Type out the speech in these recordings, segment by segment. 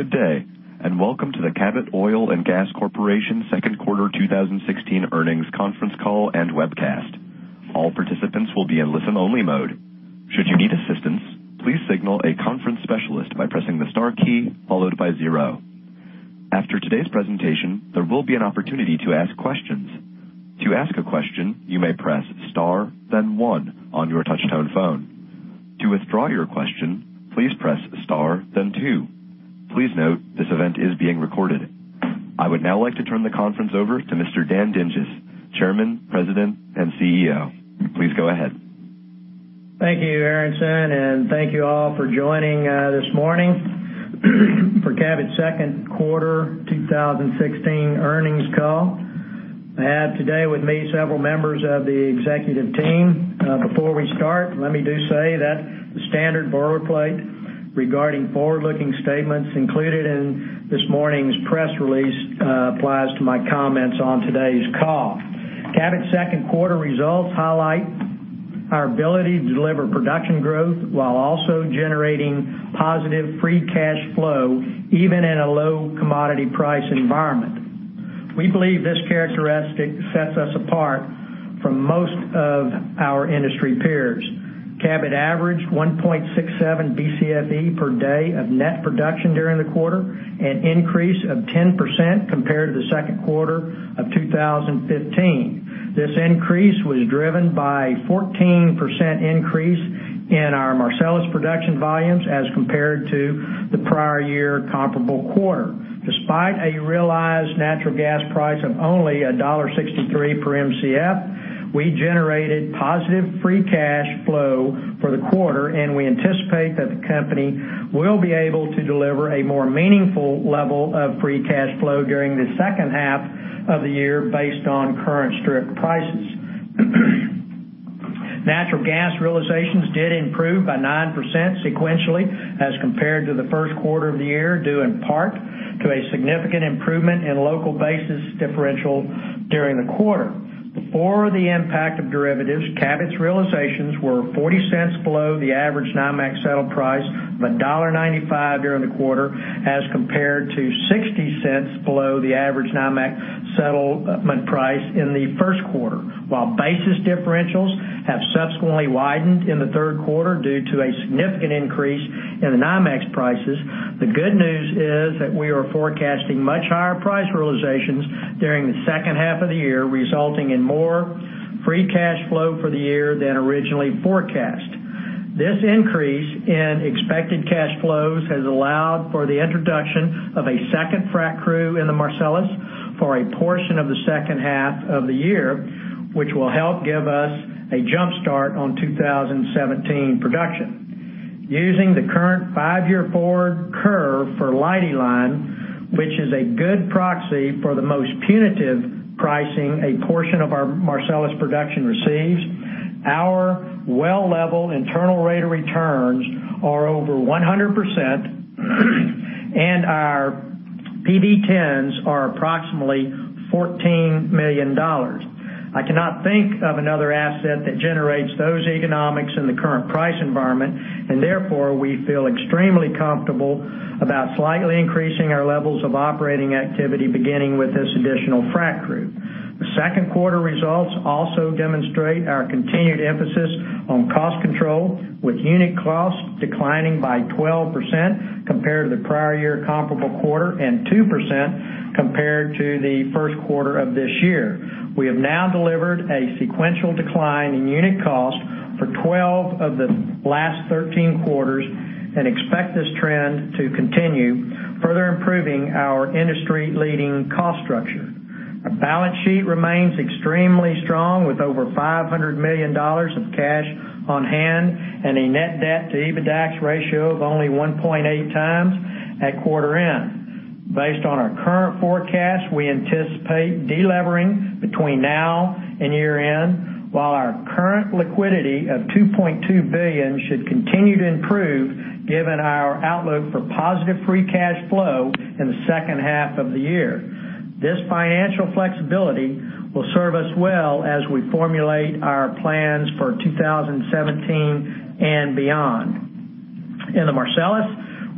Good day, and welcome to the Cabot Oil & Gas Corporation second quarter 2016 earnings conference call and webcast. All participants will be in listen-only mode. Should you need assistance, please signal a conference specialist by pressing the star key followed by zero. After today's presentation, there will be an opportunity to ask questions. To ask a question, you may press star then one on your touch-tone phone. To withdraw your question, please press star then two. Please note, this event is being recorded. I would now like to turn the conference over to Mr. Dan Dinges, Chairman, President, and CEO. Please go ahead. Thank you, Erickson, and thank you all for joining this morning for Cabot's second quarter 2016 earnings call. I have today with me several members of the executive team. Before we start, let me do say that the standard boilerplate regarding forward-looking statements included in this morning's press release applies to my comments on today's call. Cabot's second quarter results highlight our ability to deliver production growth while also generating positive free cash flow even in a low commodity price environment. We believe this characteristic sets us apart from most of our industry peers. Cabot averaged 1.67 BCFE per day of net production during the quarter, an increase of 10% compared to the second quarter of 2015. This increase was driven by a 14% increase in our Marcellus production volumes as compared to the prior year comparable quarter. Despite a realized natural gas price of only $1.63 per Mcf, we generated positive free cash flow for the quarter. We anticipate that the company will be able to deliver a more meaningful level of free cash flow during the second half of the year based on current strip prices. Natural gas realizations did improve by 9% sequentially as compared to the first quarter of the year, due in part to a significant improvement in local basis differential during the quarter. Before the impact of derivatives, Cabot's realizations were $0.40 below the average NYMEX settle price of $1.95 during the quarter as compared to $0.60 below the average NYMEX settlement price in the first quarter. Basis differentials have subsequently widened in the third quarter due to a significant increase in the NYMEX prices, the good news is that we are forecasting much higher price realizations during the second half of the year, resulting in more free cash flow for the year than originally forecast. This increase in expected cash flows has allowed for the introduction of a second frac crew in the Marcellus for a portion of the second half of the year, which will help give us a jump start on 2017 production. Using the current five-year forward curve for Leidy Line, which is a good proxy for the most punitive pricing a portion of our Marcellus production receives, our well level internal rate of returns are over 100% and our PV10s are approximately $14 million. I cannot think of another asset that generates those economics in the current price environment. Therefore, we feel extremely comfortable about slightly increasing our levels of operating activity beginning with this additional frac crew. The second quarter results also demonstrate our continued emphasis on cost control, with unit costs declining by 12% compared to the prior year comparable quarter and 2% compared to the first quarter of this year. We have now delivered a sequential decline in unit cost for 12 of the last 13 quarters and expect this trend to continue further improving our industry-leading cost structure. Our balance sheet remains extremely strong with over $500 million of cash on hand and a net debt to EBITDAX ratio of only 1.8 times at quarter end. Based on our current forecast, we anticipate de-levering between now and year-end, while our current liquidity of $2.2 billion should continue to improve given our outlook for positive free cash flow in the second half of the year. This financial flexibility will serve us well as we formulate our plans for 2017 and beyond. In the Marcellus,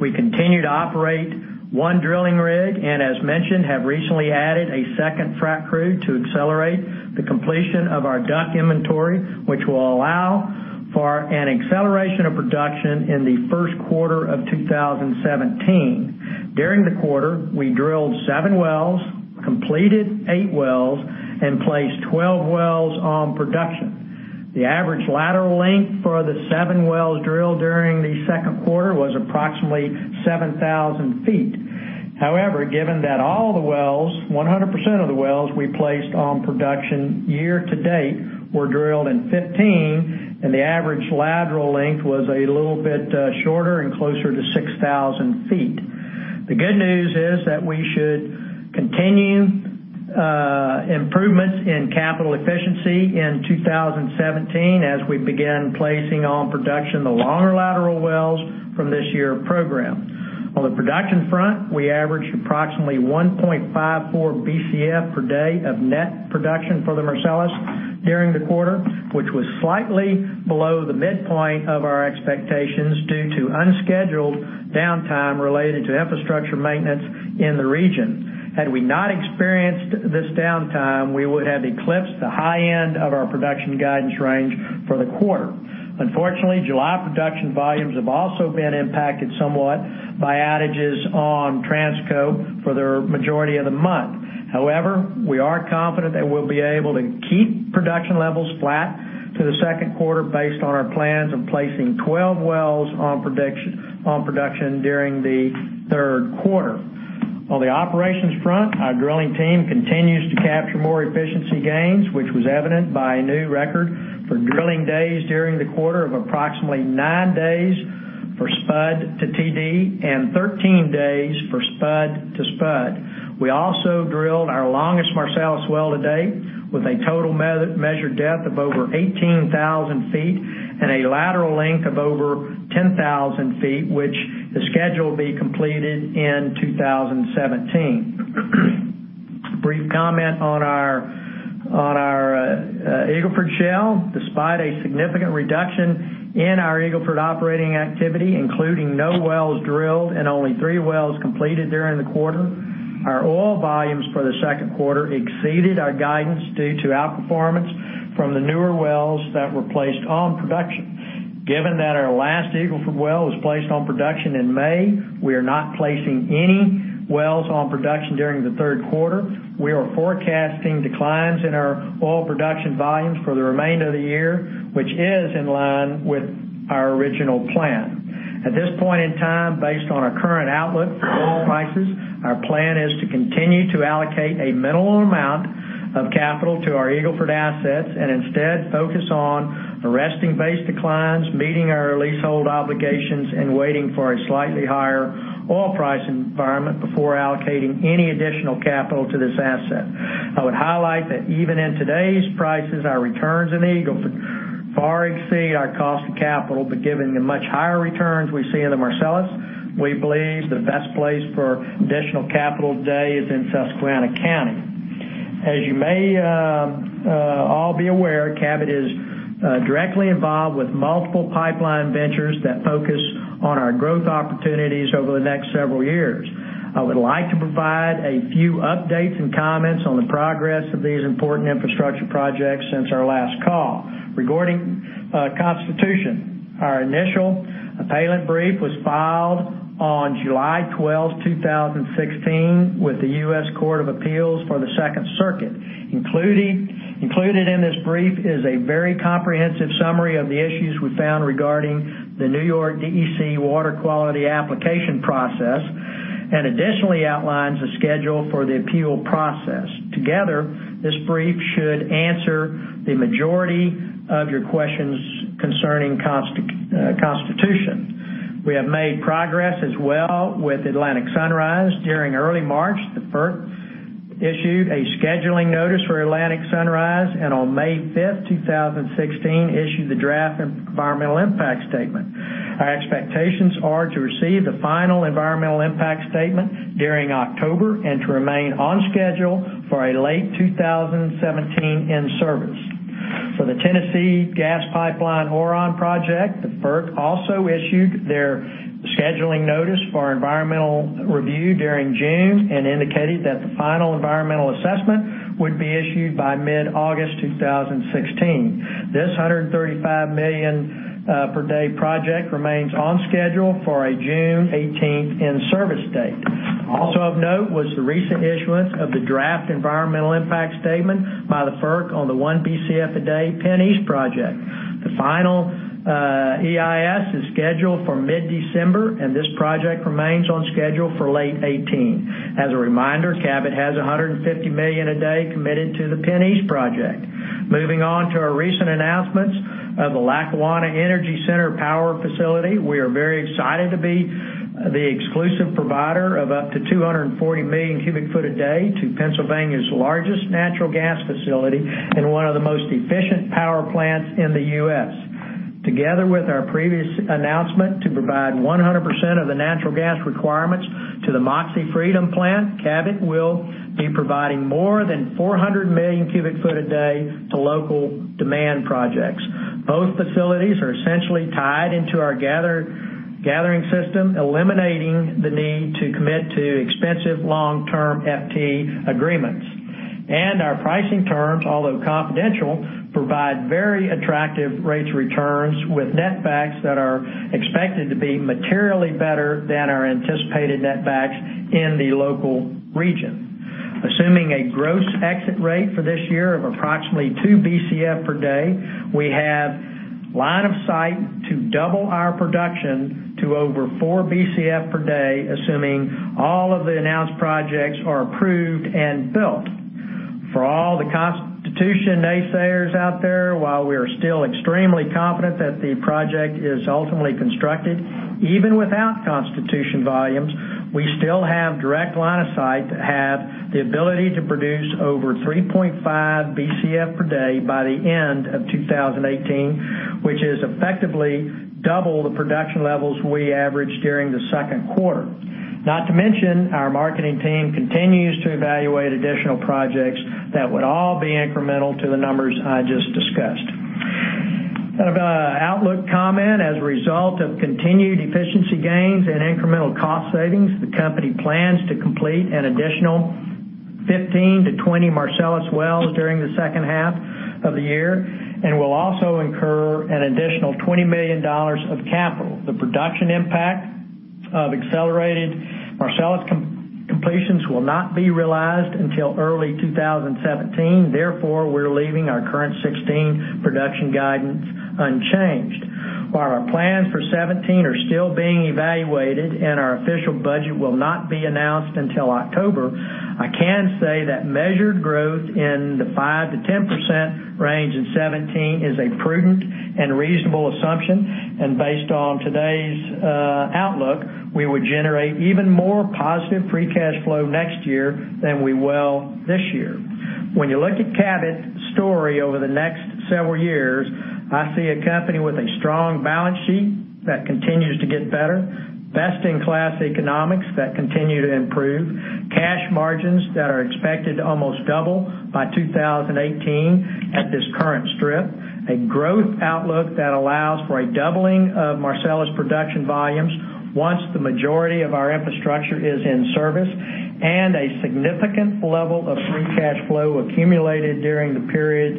we continue to operate one drilling rig and as mentioned, have recently added a second frac crew to accelerate the completion of our DUC inventory, which will allow for an acceleration of production in the first quarter of 2017. During the quarter, we drilled seven wells, completed eight wells, and placed 12 wells on production. The average lateral length for the seven wells drilled during the second quarter was approximately 7,000 feet. However, given that all the wells, 100% of the wells we placed on production year to date were drilled in 2015, and the average lateral length was a little bit shorter and closer to 6,000 feet. The good news is that we should continue improvements in capital efficiency in 2017 as we began placing on production the longer lateral wells from this year program. On the production front, we averaged approximately 1.54 Bcf per day of net production for the Marcellus during the quarter, which was slightly below the midpoint of our expectations due to unscheduled downtime related to infrastructure maintenance in the region. Had we not experienced this downtime, we would have eclipsed the high end of our production guidance range for the quarter. Unfortunately, July production volumes have also been impacted somewhat by outages on Transco for the majority of the month. However, we are confident that we'll be able to keep production levels flat to the second quarter based on our plans of placing 12 wells on production during the third quarter. On the operations front, our drilling team continues to capture more efficiency gains, which was evident by a new record for drilling days during the quarter of approximately nine days for spud to TD and 13 days for spud to spud. We also drilled our longest Marcellus well to date with a total measured depth of over 18,000 feet and a lateral length of over 10,000 feet, which is scheduled to be completed in 2017. Brief comment on our Eagle Ford Shale. Despite a significant reduction in our Eagle Ford operating activity, including no wells drilled and only three wells completed during the quarter, our oil volumes for the second quarter exceeded our guidance due to outperformance from the newer wells that were placed on production. Given that our last Eagle Ford well was placed on production in May, we are not placing any wells on production during the third quarter. We are forecasting declines in our oil production volumes for the remainder of the year, which is in line with our original plan. At this point in time, based on our current outlook for oil prices, our plan is to continue to allocate a minimal amount of capital to our Eagle Ford assets and instead focus on arresting base declines, meeting our leasehold obligations, and waiting for a slightly higher oil price environment before allocating any additional capital to this asset. I would highlight that even in today's prices, our returns in Eagle Ford far exceed our cost of capital, but given the much higher returns we see in the Marcellus, we believe the best place for additional capital today is in Susquehanna County. As you may all be aware, Cabot is directly involved with multiple pipeline ventures that focus on our growth opportunities over the next several years. I would like to provide a few updates and comments on the progress of these important infrastructure projects since our last call. Regarding Constitution, our initial appellant brief was filed on July 12, 2016, with the U.S. Court of Appeals for the Second Circuit. Included in this brief is a very comprehensive summary of the issues we found regarding the New York DEC water quality application process and additionally outlines the schedule for the appeal process. Together, this brief should answer the majority of your questions concerning Constitution. We have made progress as well with Atlantic Sunrise. During early March, the FERC issued a scheduling notice for Atlantic Sunrise, and on May 5th, 2016, issued the draft environmental impact statement. Our expectations are to receive the final environmental impact statement during October and to remain on schedule for a late 2017 in-service. For the Tennessee Gas Pipeline Orion project, the FERC also issued their scheduling notice for environmental review during June and indicated that the final environmental assessment would be issued by mid-August 2016. This 135 million per day project remains on schedule for a June 2017 in-service date. Also of note was the recent issuance of the draft environmental impact statement by the FERC on the one Bcf a day PennEast project. The final EIS is scheduled for mid-December, and this project remains on schedule for late 2018. As a reminder, Cabot has 150 million a day committed to the PennEast project. Moving on to our recent announcements of the Lackawanna Energy Center power facility. We are very excited to be the exclusive provider of up to 240 million cubic foot a day to Pennsylvania's largest natural gas facility and one of the most efficient power plants in the U.S. Together with our previous announcement to provide 100% of the natural gas requirements to the Moxie Freedom plant, Cabot will be providing more than 400 million cubic foot a day to local demand projects. Both facilities are essentially tied into our gathering system, eliminating the need to commit to expensive long-term FT agreements. Our pricing terms, although confidential, provide very attractive rates returns with netbacks that are expected to be materially better than our anticipated netbacks in the local region. Assuming a gross exit rate for this year of approximately two Bcf per day, we have line of sight to double our production to over four Bcf per day, assuming all of the announced projects are approved and built. For all the Constitution naysayers out there, while we are still extremely confident that the project is ultimately constructed, even without Constitution volumes, we still have direct line of sight to have the ability to produce over 3.5 Bcf per day by the end of 2018, which is effectively double the production levels we averaged during the second quarter. Not to mention, our marketing team continues to evaluate additional projects that would all be incremental to the numbers I just discussed. Kind of an outlook comment. As a result of continued efficiency gains and incremental cost savings, the company plans to complete an additional 15-20 Marcellus wells during the second half of the year, and will also incur an additional $20 million of capital. The production impact of accelerated Marcellus completions will not be realized until early 2017. Therefore, we're leaving our current 2016 production guidance unchanged. While our plans for 2017 are still being evaluated and our official budget will not be announced until October, I can say that measured growth in the 5%-10% range in 2017 is a prudent and reasonable assumption. Based on today's outlook, we would generate even more positive free cash flow next year than we will this year. When you look at Cabot's story over the next several years, I see a company with a strong balance sheet that continues to get better, best-in-class economics that continue to improve, cash margins that are expected to almost double by 2018 at this current strip, a growth outlook that allows for a doubling of Marcellus production volumes once the majority of our infrastructure is in service, and a significant level of free cash flow accumulated during the period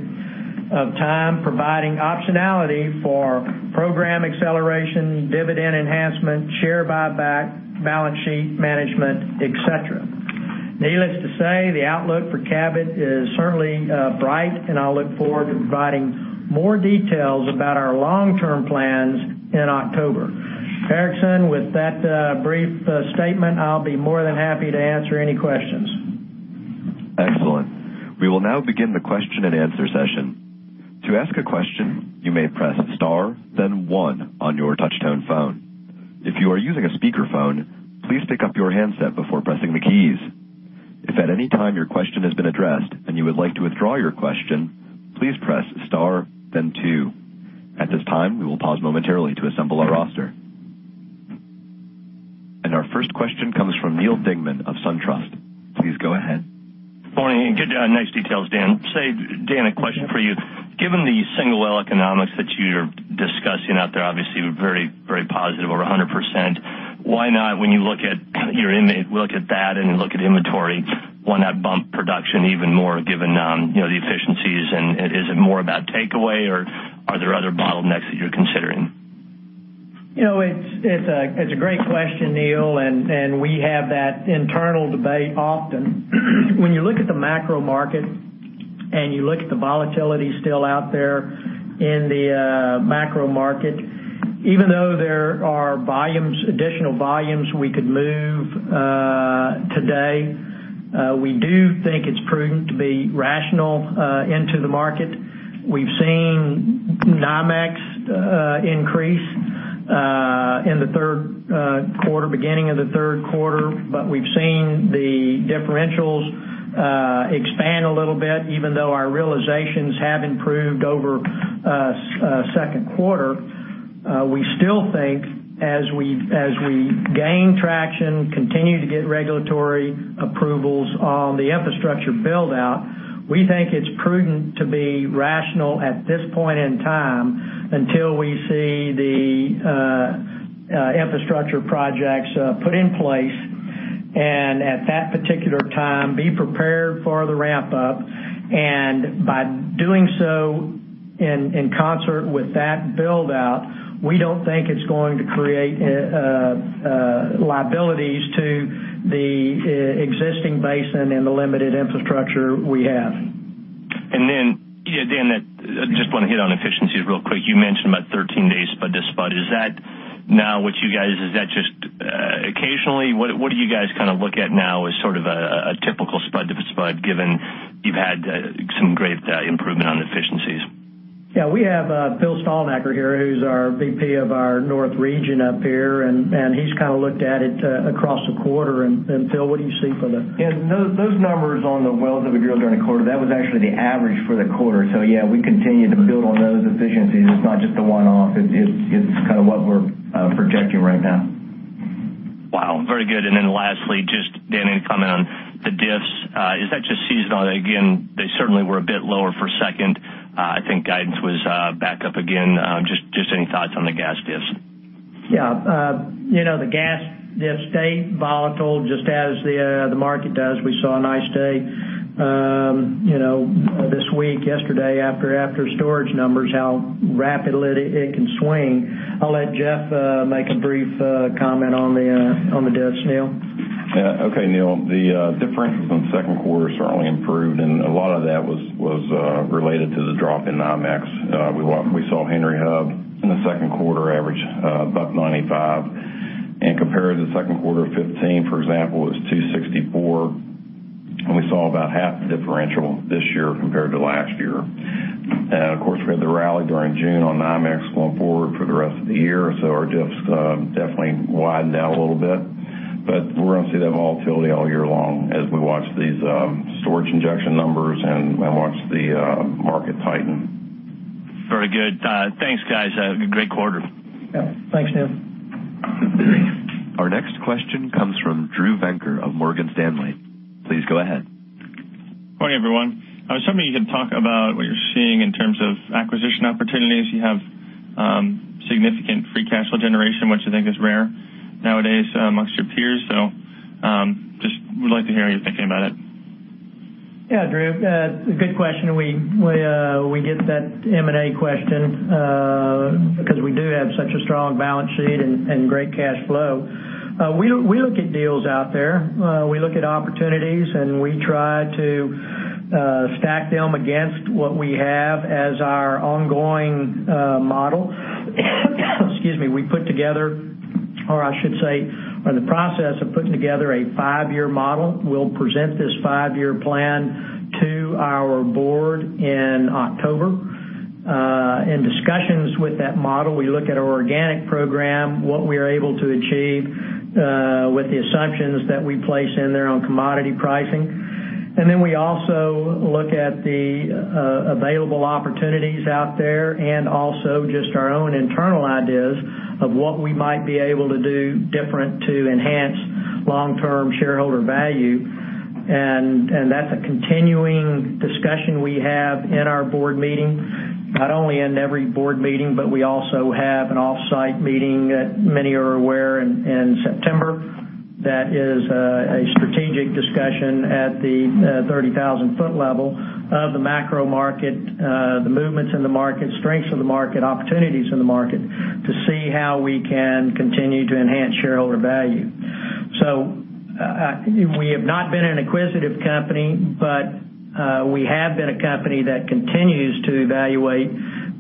of time, providing optionality for program acceleration, dividend enhancement, share buyback, balance sheet management, et cetera. Needless to say, the outlook for Cabot is certainly bright, and I'll look forward to providing more details about our long-term plans in October. Erickson, with that brief statement, I'll be more than happy to answer any questions. Excellent. We will now begin the question and answer session. To ask a question, you may press star then one on your touchtone phone. If you are using a speakerphone, please pick up your handset before pressing the keys. If at any time your question has been addressed and you would like to withdraw your question, please press star then two. At this time, we will pause momentarily to assemble our roster. Our first question comes from Neal Dingmann of SunTrust. Please go ahead. Morning, nice details, Dan. Dan, a question for you. Given the single well economics that you're discussing out there, obviously very positive, over 100%, why not, when you look at that and you look at inventory, why not bump production even more given the efficiencies? Is it more about takeaway, or are there other bottlenecks that you're considering? It's a great question, Neal, and we have that internal debate often. When you look at the macro market and you look at the volatility still out there in the macro market, even though there are additional volumes we could move today, we do think it's prudent to be rational into the market. We've seen NYMEX increase in the third quarter, beginning of the third quarter, but we've seen the differentials expand a little bit, even though our realizations have improved over second quarter. We still think as we gain traction, continue to get regulatory approvals on the infrastructure build-out, we think it's prudent to be rational at this point in time until we see the infrastructure projects put in place, and at that particular time, be prepared for the ramp up. By doing so in concert with that build-out, we don't think it's going to create liabilities to the existing basin and the limited infrastructure we have. Dan, I just want to hit on efficiencies real quick. You mentioned about 13 days spud to spud. Is that just occasionally? What do you guys look at now as sort of a typical spud to spud, given you've had some great improvement on efficiencies? Yeah. We have Phil Stalnaker here, who's our VP of our North region up here, he's kind of looked at it across the quarter. Phil, what do you see from the- Yeah, those numbers on the wells that we drilled during the quarter, that was actually the average for the quarter. Yeah, we continue to build on those efficiencies. It's not just a one-off. It's kind of what we're projecting right now. Wow, very good. Then lastly, just Dan, in comment on the diffs. Is that just seasonal? Again, they certainly were a bit lower for second. I think guidance was back up again. Just any thoughts on the gas diffs? Yeah. The gas diffs stay volatile just as the market does. We saw a nice day this week, yesterday after storage numbers, how rapidly it can swing. I'll let Jeff make a brief comment on the diffs, Neal. Okay, Neal. The differentials in the second quarter certainly improved. That was related to the drop in NYMEX. We saw Henry Hub in the second quarter average about $0.95, compared to the second quarter of 2015, for example, it was $2.64. We saw about half the differential this year compared to last year. Of course, we had the rally during June on NYMEX going forward for the rest of the year. Our diffs definitely widened out a little bit. We're going to see that volatility all year long as we watch these storage injection numbers and watch the market tighten. Very good. Thanks, guys. Great quarter. Thanks, Neil. Our next question comes from Drew Venker of Morgan Stanley. Please go ahead. Good morning, everyone. I was wondering if you could talk about what you're seeing in terms of acquisition opportunities. You have significant free cash flow generation, which I think is rare nowadays amongst your peers. Just would like to hear your thinking about it. Yeah, Drew. Good question. We get that M&A question because we do have such a strong balance sheet and great cash flow. We look at deals out there. We look at opportunities, we try to stack them against what we have as our ongoing model. Excuse me. We put together, or I should say, we're in the process of putting together a five-year model. We'll present this five-year plan to our board in October. In discussions with that model, we look at our organic program, what we're able to achieve with the assumptions that we place in there on commodity pricing. We also look at the available opportunities out there and also just our own internal ideas of what we might be able to do different to enhance long-term shareholder value. That's a continuing discussion we have in our board meeting, not only in every board meeting, but we also have an off-site meeting, many are aware, in September. That is a strategic discussion at the 30,000-foot level of the macro market, the movements in the market, strengths of the market, opportunities in the market to see how we can continue to enhance shareholder value. We have not been an acquisitive company, but we have been a company that continues to evaluate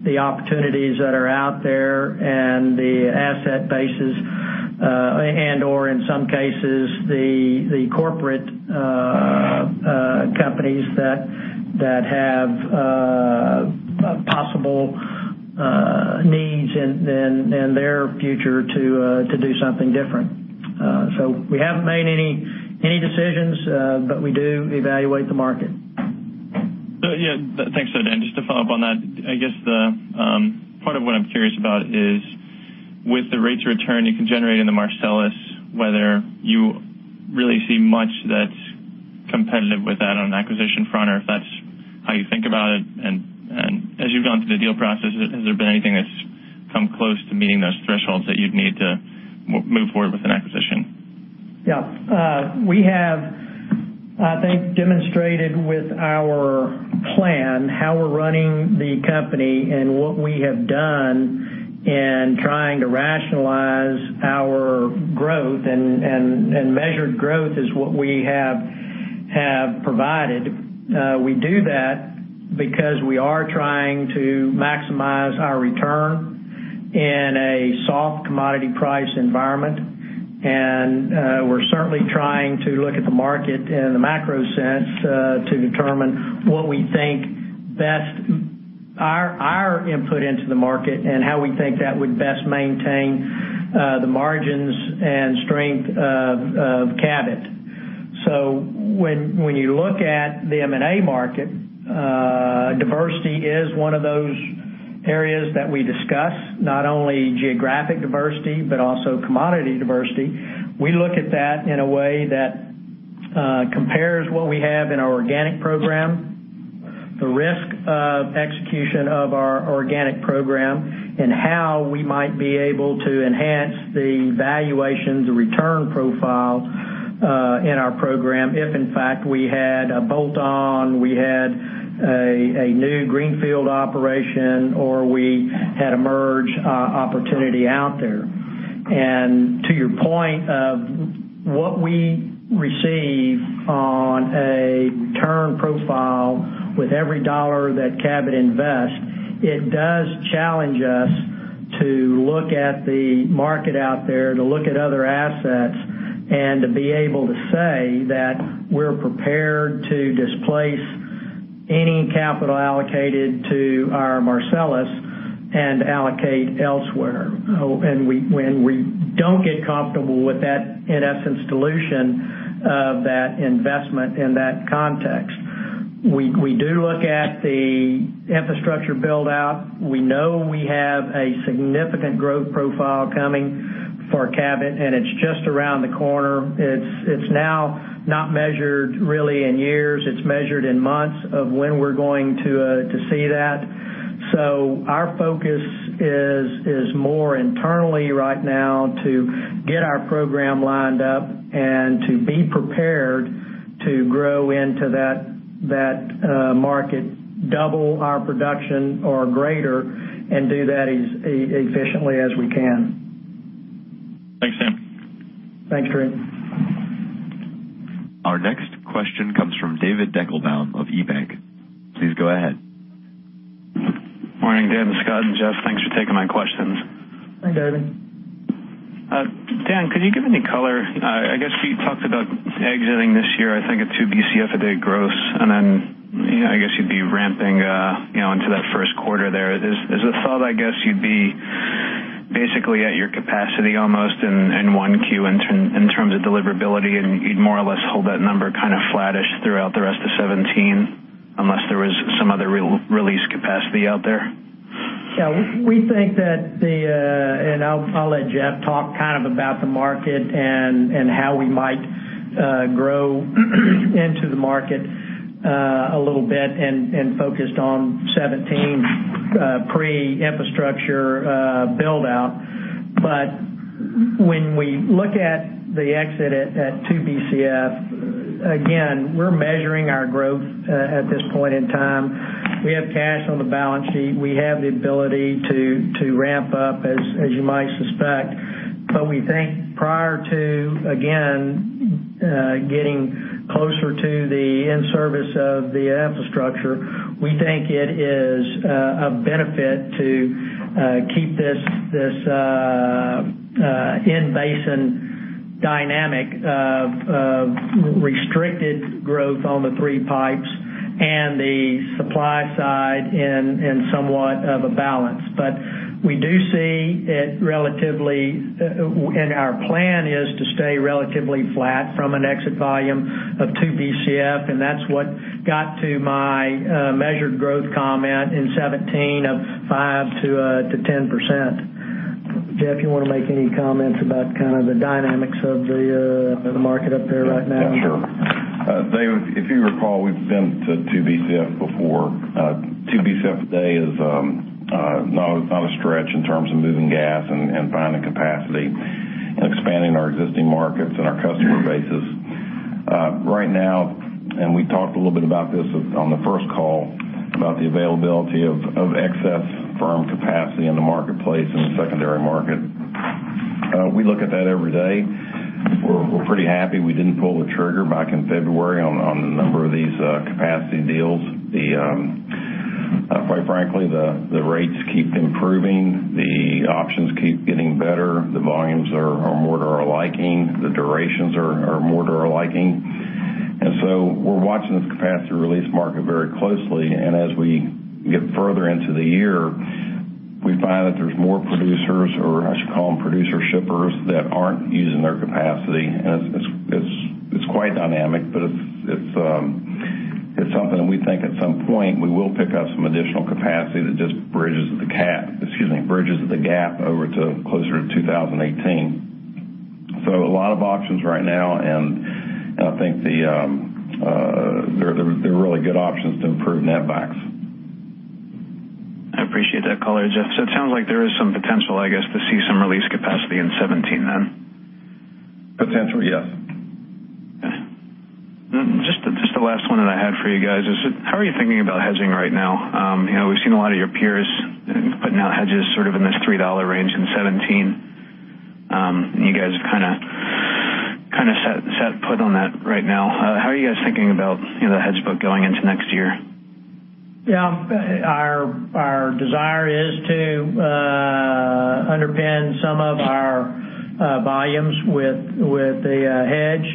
the opportunities that are out there and the asset bases and/or, in some cases, the corporate companies that have possible needs in their future to do something different. We haven't made any decisions, but we do evaluate the market. Yeah. Thanks, Dan. Just to follow up on that, I guess the part of what I'm curious about is with the rates of return you can generate in the Marcellus, whether you really see much that's competitive with that on an acquisition front or if that's how you think about it. As you've gone through the deal process, has there been anything that's come close to meeting those thresholds that you'd need to move forward with an acquisition? Yeah. We have, I think, demonstrated with our plan how we're running the company and what we have done in trying to rationalize our growth, and measured growth is what we have provided. We do that because we are trying to maximize our return in a soft commodity price environment. We're certainly trying to look at the market in the macro sense to determine what we think best our input into the market and how we think that would best maintain the margins and strength of Cabot. When you look at the M&A market, diversity is one of those areas that we discuss, not only geographic diversity but also commodity diversity. We look at that in a way that compares what we have in our organic program, the risk of execution of our organic program, and how we might be able to enhance the valuations, the return profiles in our program if, in fact, we had a bolt-on, we had a new greenfield operation, or we had a merge opportunity out there. To your point of what we receive on a term profile with every dollar that Cabot invests, it does challenge us to look at the market out there, to look at other assets, and to be able to say that we're prepared to displace any capital allocated to our Marcellus and allocate elsewhere. When we don't get comfortable with that, in essence, dilution of that investment in that context. We do look at the infrastructure build-out. We know we have a significant growth profile coming for Cabot, and it's just around the corner. It's now not measured really in years. It's measured in months of when we're going to see that. Our focus is more internally right now to get our program lined up and to be prepared to grow into that market, double our production or greater, and do that as efficiently as we can. Thanks, Dan. Thanks, Drew. Our next question comes from David Deckelbaum of KeyBanc. Please go ahead. Morning, Dan, Scott, and Jeff. Thanks for taking my questions. Hi, David. Dan, could you give any color? I guess you talked about exiting this year, I think at 2 Bcf a day gross. Then I guess you'd be ramping into that first quarter there. Is the thought, I guess you'd be basically at your capacity almost in 1Q in terms of deliverability, and you'd more or less hold that number kind of flattish throughout the rest of 2017, unless there was some other release capacity out there? Yeah. We think that I'll let Jeff talk about the market and how we might grow into the market a little bit and focused on 2017 pre-infrastructure build-out. When we look at the exit at 2 Bcf, again, we're measuring our growth at this point in time. We have cash on the balance sheet. We have the ability to ramp up as you might suspect. We think prior to, again, getting closer to the in-service of the infrastructure, we think it is a benefit to keep this in-basin dynamic of restricted growth on the three pipes and the supply side in somewhat of a balance. We do see it relatively, and our plan is to stay relatively flat from an exit volume of 2 Bcf, and that's what got to my measured growth comment in 2017 of 5%-10%. Jeff, you want to make any comments about the dynamics of the market up there right now? Yeah, sure. David, if you recall, we've been to 2 Bcf before. 2 Bcf a day is not a stretch in terms of moving gas and finding capacity and expanding our existing markets and our customer bases. Right now, we talked a little bit about this on the first call about the availability of excess firm capacity in the marketplace in the secondary market. We look at that every day. We're pretty happy we didn't pull the trigger back in February on a number of these capacity deals. Quite frankly, the rates keep improving. The options keep getting better. The volumes are more to our liking. The durations are more to our liking. So we're watching this capacity release market very closely. As we get further into the year, we find that there's more producers, or I should call them producer shippers, that aren't using their capacity. It's quite dynamic, but it's something we think at some point we will pick up some additional capacity that just bridges the gap over to closer to 2018. A lot of options right now, and I think they're really good options to improve netbacks. I appreciate that color, Jeff. It sounds like there is some potential, I guess, to see some release capacity in 2017 then. Potentially, yes. Just the last one that I had for you guys is, how are you thinking about hedging right now? We've seen a lot of your peers putting out hedges sort of in this $3 range in 2017. You guys kind of set put on that right now. How are you guys thinking about the hedge book going into next year? Yeah. Our desire is to underpin some of our volumes with a hedge.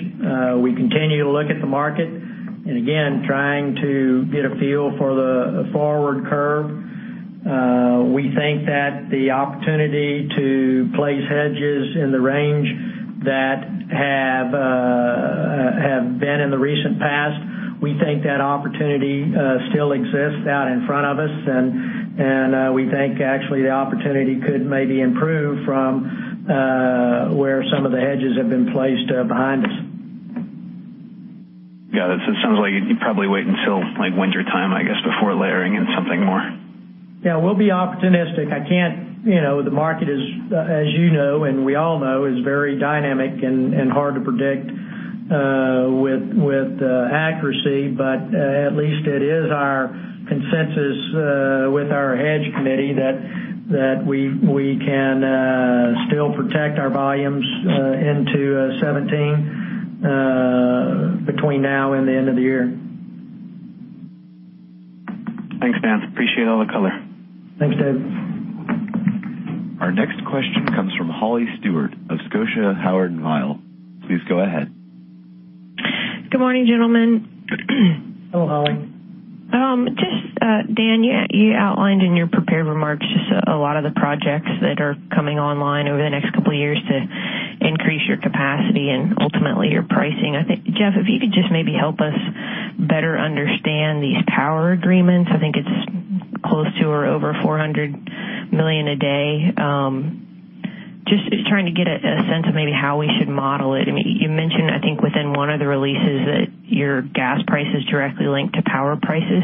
We continue to look at the market, again, trying to get a feel for the forward curve. We think that the opportunity to place hedges in the range that have been in the recent past, we think that opportunity still exists out in front of us. We think actually the opportunity could maybe improve from where some of the hedges have been placed behind us. Got it. It sounds like you'd probably wait until wintertime, I guess, before layering in something more. Yeah, we'll be opportunistic. The market is, as you know and we all know, is very dynamic and hard to predict with accuracy. At least it is our consensus with our hedge committee that we can still protect our volumes into 2017 between now and the end of the year. Thanks, Dan. Appreciate all the color. Thanks, David. Our next question comes from Holly Stewart of Scotia Howard Weil. Please go ahead. Good morning, gentlemen. Hello, Holly. Dan, you outlined in your prepared remarks just a lot of the projects that are coming online over the next couple of years to increase your capacity and ultimately your pricing. I think, Jeff, if you could just maybe help us better understand these power agreements. I think it's close to or over 400 million a day. Just trying to get a sense of maybe how we should model it. You mentioned, I think within one of the releases that your gas price is directly linked to power prices.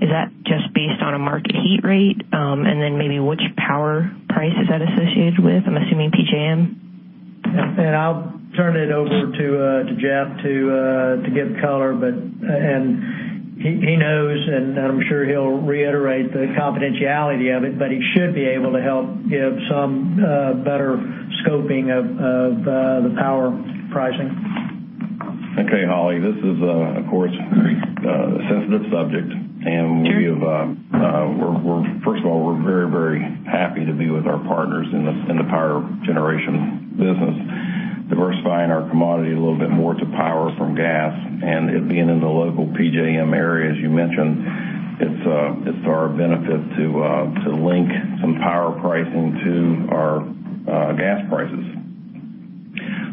Is that just based on a market heat rate? And then maybe which power price is that associated with? I'm assuming PJM. I'll turn it over to Jeff to give color. He knows, and I'm sure he'll reiterate the confidentiality of it, he should be able to help give some better scoping of the power pricing. Okay, Holly, this is, of course, a sensitive subject. First of all, we're very happy to be with our partners in the power generation business, diversifying our commodity a little bit more to power from gas and it being in the local PJM area, as you mentioned, it's to our benefit to link some power pricing to our gas prices.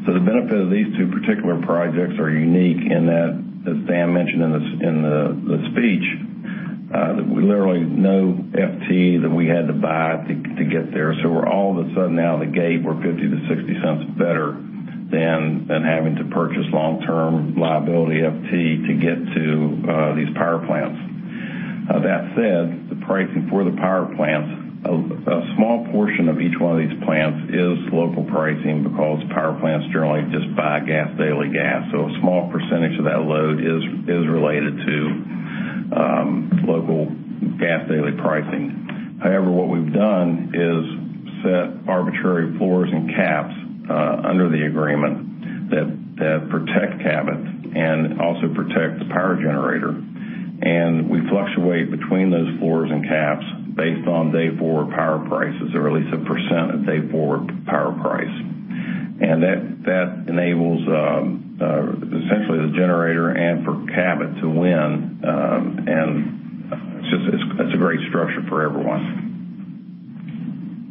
The benefit of these two particular projects are unique in that, as Dan mentioned in the speech, literally no FT that we had to buy to get there. We're all of a sudden now the gate, we're $0.50 to $0.60 better than having to purchase long-term liability FT to get to these power plants. That said, the pricing for the power plants, a small portion of each one of these plants is local pricing because power plants generally just buy gas daily gas. A small percentage of that load is related to local gas daily pricing. However, what we've done is set arbitrary floors and caps under the agreement that protect Cabot and also protect the power generator. We fluctuate between those floors and caps based on day-forward power prices or at least a % of day-forward power price. That enables essentially the generator and for Cabot to win, and it's a great structure for everyone.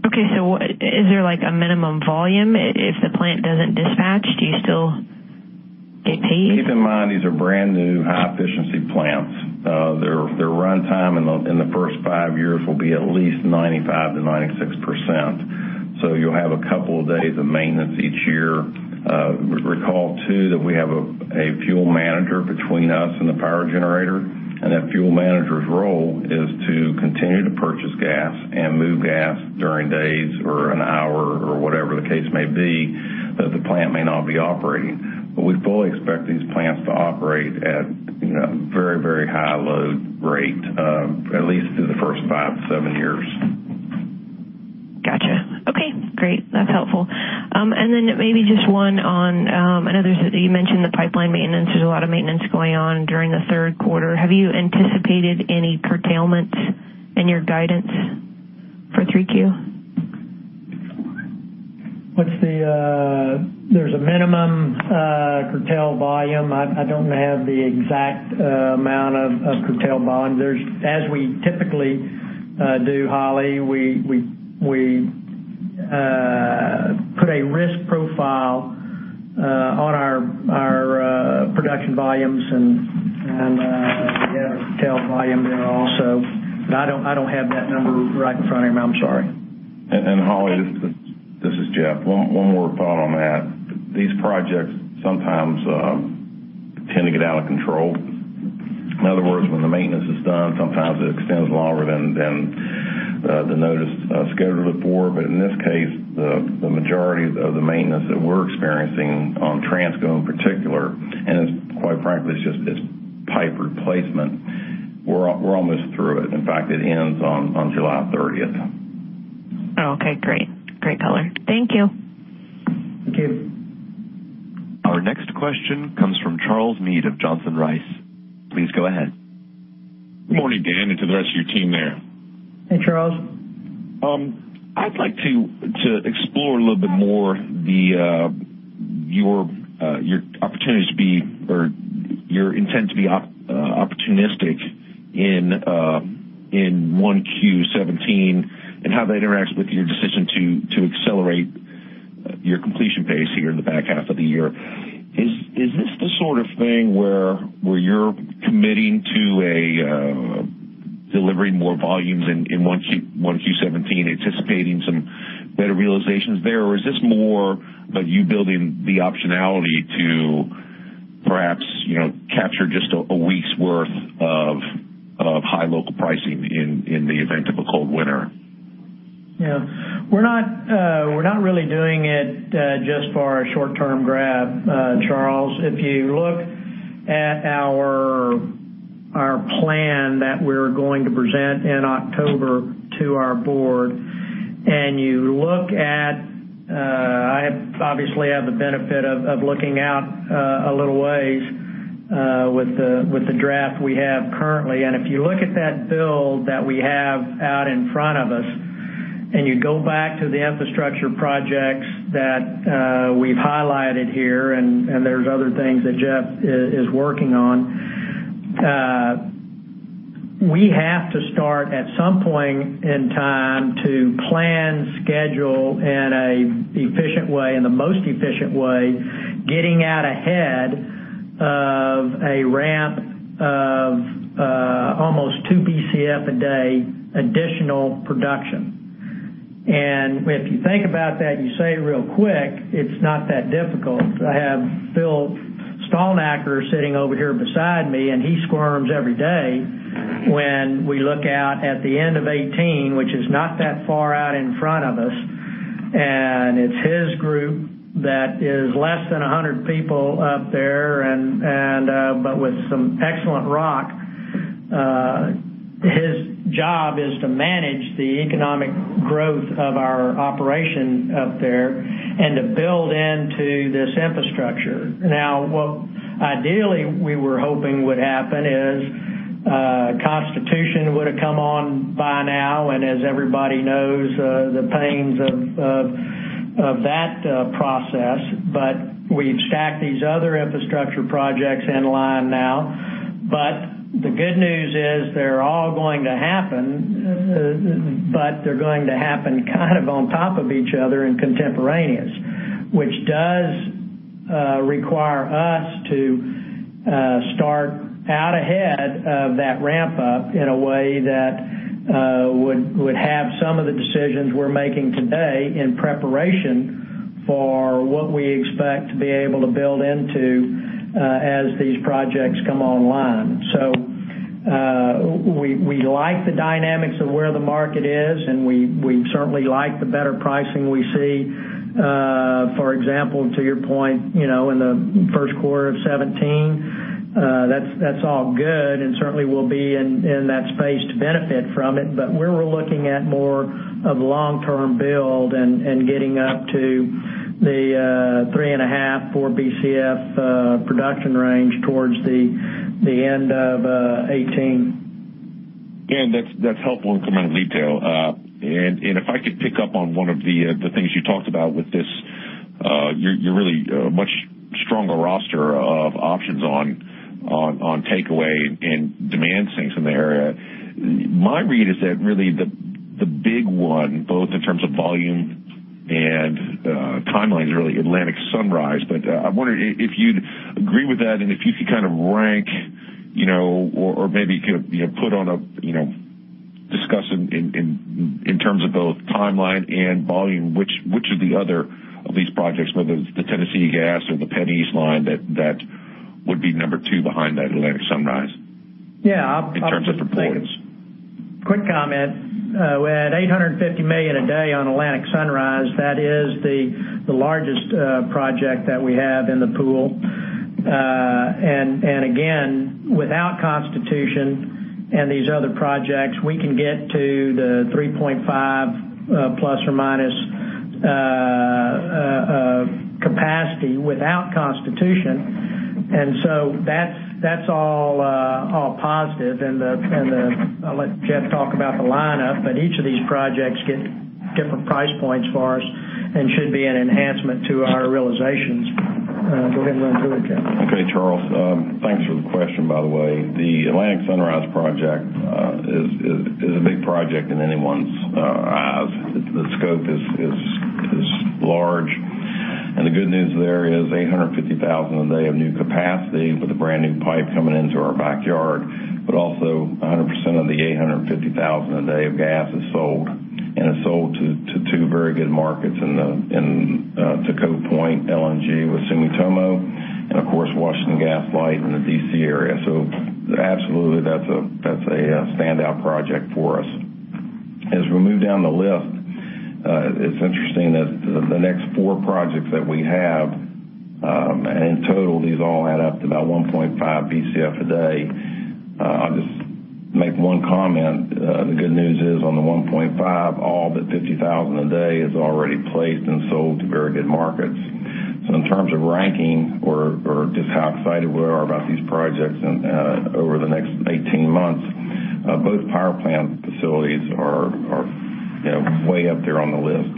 Okay. Is there a minimum volume? If the plant doesn't dispatch, do you still get paid? Keep in mind, these are brand-new high-efficiency plants. Their runtime in the first five years will be at least 95%-96%. You'll have a couple of days of maintenance each year. Recall too, that we have a fuel manager between us and the power generator, and that fuel manager's role is to continue to purchase gas and move gas during days or an hour or whatever the case may be, that the plant may not be operating. We fully expect these plants to operate at very high load rate, at least through the first five to seven years. Got you. Okay, great. That's helpful. Maybe just one on another, you mentioned the pipeline maintenance. There's a lot of maintenance going on during the third quarter. Have you anticipated any curtailments in your guidance for three Q? There's a minimum curtail volume. I don't have the exact amount of curtail volume. As we typically do, Holly, we put a risk profile on our production volumes and we have a curtail volume there also. I don't have that number right in front of me. I'm sorry. Holly, this is Jeff. One more thought on that. These projects sometimes tend to get out of control. In other words, when the maintenance is done, sometimes it extends longer than the notice scheduled it for. In this case, the majority of the maintenance that we're experiencing on Transco in particular, and quite frankly, it's just pipe replacement. We're almost through it. In fact, it ends on July 30th. Okay, great. Great color. Thank you. Thank you. Our next question comes from Charles Meade of Johnson Rice. Please go ahead. Good morning, Dan, and to the rest of your team there. Hey, Charles. I'd like to explore a little bit more your intent to be opportunistic in 1Q 2017, and how that interacts with your decision to accelerate your completion pace here in the back half of the year. Is this the sort of thing where you're committing to delivering more volumes in 1Q 2017, anticipating some better realizations there? Or is this more of you building the optionality to perhaps capture just a week's worth of high local pricing in the event of a cold winter? We're not really doing it just for a short-term grab, Charles. If you look at our plan that we're going to present in October to our board, and you look at. I obviously have the benefit of looking out a little ways with the draft we have currently. If you look at that build that we have out in front of us, and you go back to the infrastructure projects that we've highlighted here, and there's other things that Jeff is working on. We have to start at some point in time to plan, schedule in a efficient way, in the most efficient way, getting out ahead of a ramp of almost 2 Bcf a day additional production. If you think about that, you say real quick, it's not that difficult to have built Stalnaker sitting over here beside me, and he squirms every day when we look out at the end of 2018, which is not that far out in front of us, and it's his group that is less than 100 people up there, but with some excellent rock. His job is to manage the economic growth of our operation up there and to build into this infrastructure. What ideally we were hoping would happen is Constitution would've come on by now, and as everybody knows, the pains of that process. We've stacked these other infrastructure projects in line now. The good news is they're all going to happen, but they're going to happen kind of on top of each other contemporaneously. Which does require us to start out ahead of that ramp up in a way that would have some of the decisions we're making today in preparation for what we expect to be able to build into as these projects come online. We like the dynamics of where the market is, and we certainly like the better pricing we see. For example, to your point, in the first quarter of 2017, that's all good and certainly we'll be in that space to benefit from it. Where we're looking at more of long-term build and getting up to the 3.5, 4 Bcf production range towards the end of 2018. Dan, that's helpful incremental detail. If I could pick up on one of the things you talked about with this, your really much stronger roster of options on takeaway and demand sinks in the area. My read is that really the big one, both in terms of volume and timelines, really Atlantic Sunrise. I wonder if you'd agree with that and if you could kind of rank or maybe discuss in terms of both timeline and volume, which of the other of these projects, whether it's the Tennessee Gas or the PennEast line that would be number 2 behind that Atlantic Sunrise. Yeah. in terms of importance. Quick comment. We're at 850 million a day on Atlantic Sunrise. That is the largest project that we have in the pool. Again, without Constitution and these other projects, we can get to the 3.5 ± capacity without Constitution. That's all positive. I'll let Jeff talk about the lineup, but each of these projects get different price points for us and should be an enhancement to our realizations. Go ahead and go into it, Jeff. Okay, Charles. Thanks for the question, by the way. The Atlantic Sunrise project is a big project in anyone's eyes. The scope is large, the good news there is 850,000 a day of new capacity with a brand-new pipe coming into our backyard, but also 100% of the 850,000 a day of gas is sold and is sold to two very good markets in the Cove Point LNG with Sumitomo, and of course, Washington Gas Light in the D.C. area. Absolutely, that's a standout project for us. As we move down the list, it's interesting that the next four projects that we have, in total, these all add up to about 1.5 Bcf a day. I'll just make one comment. The good news is on the 1.5, all but 50,000 a day is already placed and sold to very good markets. In terms of ranking or just how excited we are about these projects over the next 18 months, both power plant facilities are way up there on the list.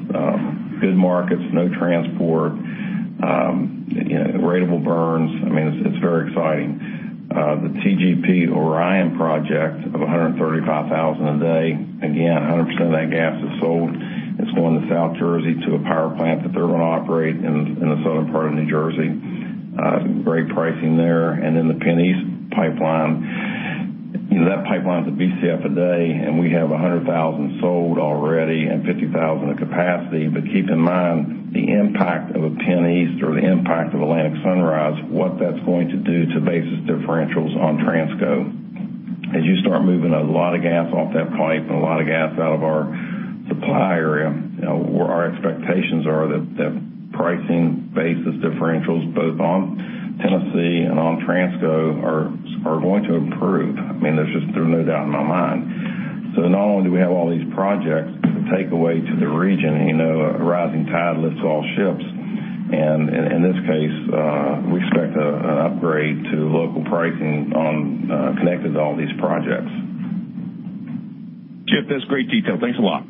Good markets, no transport, ratable burns. I mean, it's very exciting. The TGP Orion project of 135,000 a day, again, 100% of that gas is sold. It's going to South Jersey to a power plant that they're going to operate in the southern part of New Jersey. Great pricing there. The PennEast pipeline. That pipeline's a Bcf a day, we have 100,000 sold already and 50,000 of capacity. Keep in mind the impact of a PennEast or the impact of Atlantic Sunrise, what that's going to do to basis differentials on Transco. As you start moving a lot of gas off that pipe and a lot of gas out of our supply area, our expectations are that pricing basis differentials both on Tennessee and on Transco are going to improve. I mean, there's just no doubt in my mind. Not only do we have all these projects to take away to the region, a rising tide lifts all ships, and in this case, we expect an upgrade to local pricing connected to all these projects. Jeff, that's great detail. Thanks a lot.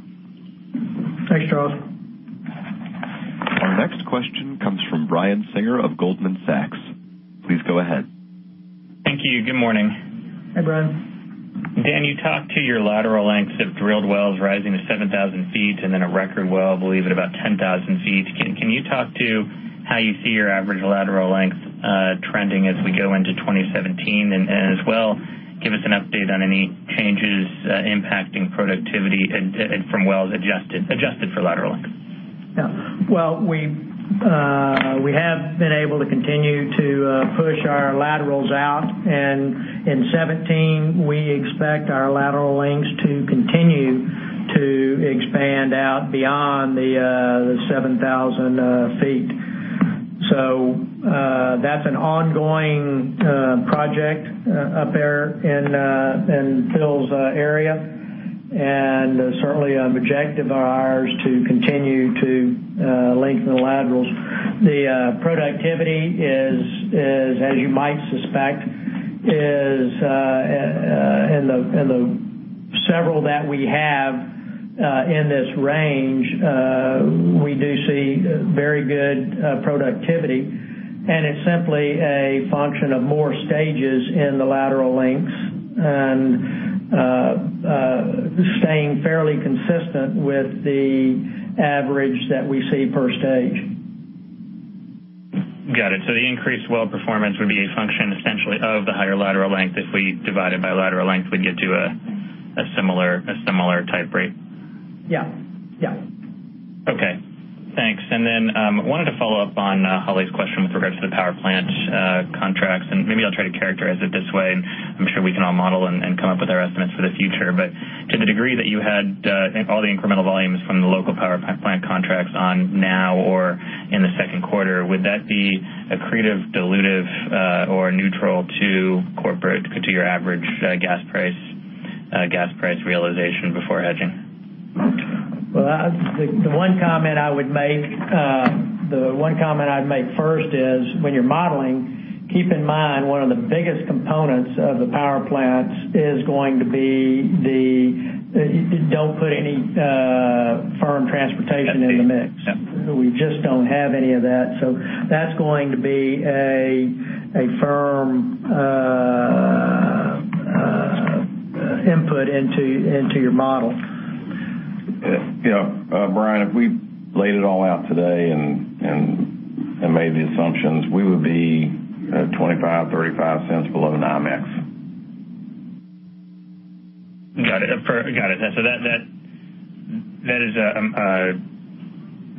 Thanks, Charles. Our next question comes from Brian Singer of Goldman Sachs. Please go ahead. Thank you. Good morning. Hi, Brian. Dan, you talked to your lateral lengths of drilled wells rising to 7,000 feet and then a record well, I believe, at about 10,000 feet. Can you talk to how you see your average lateral length trending as we go into 2017? As well, give us an update on any changes impacting productivity from wells adjusted for lateral length. Yeah. Well, we have been able to continue to push our laterals out, and in 2017, we expect our lateral lengths to continue to expand out beyond the 7,000 feet. That's an ongoing project up there in Phil's area, and certainly an objective of ours to continue to lengthen the laterals. The productivity is, as you might suspect, in the several that we have in this range, we do see very good productivity, and it's simply a function of more stages in the lateral lengths, and staying fairly consistent with the average that we see per stage. Got it. The increased well performance would be a function essentially of the higher lateral length. If we divide it by lateral length, we'd get to a similar type rate. Yeah. Okay, thanks. Wanted to follow up on Holly's question with regards to the power plant contracts, and maybe I'll try to characterize it this way. I'm sure we can all model and come up with our estimates for the future. To the degree that you had, I think, all the incremental volumes from the local power plant contracts on now or in the second quarter, would that be accretive, dilutive, or neutral to Corporate, to your average gas price realization before hedging? Well, the one comment I'd make first is when you're modeling, keep in mind one of the biggest components of the power plants is going to be Don't put any firm transportation in the mix. Yeah. We just don't have any of that. That's going to be a firm input into your model. Yeah. Brian, if we laid it all out today and made the assumptions, we would be $0.25-$0.35 below NYMEX. Got it.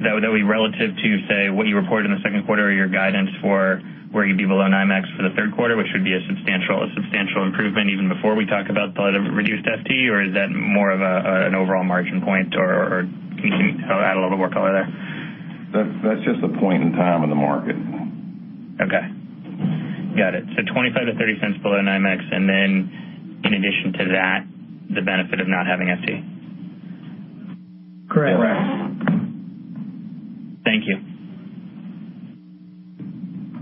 That would be relative to, say, what you reported in the second quarter or your guidance for where you'd be below NYMEX for the third quarter, which would be a substantial improvement even before we talk about the reduced FE, or is that more of an overall margin point, or can you add a little more color there? That's just the point in time in the market. Okay. Got it. $0.25-$0.30 below NYMEX, and then in addition to that, the benefit of not having FE. Correct. Correct. Thank you.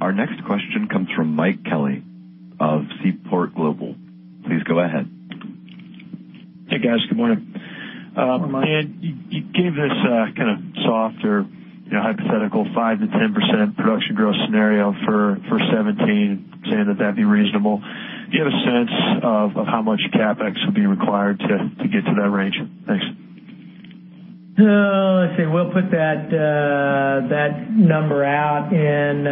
Our next question comes from Mike Kelly of Seaport Global. Please go ahead. Hey, guys. Good morning. Good morning, Mike. You gave this softer hypothetical 5%-10% production growth scenario for 2017, saying that that'd be reasonable. Do you have a sense of how much CapEx would be required to get to that range? Thanks. Let's see, we'll put that number out in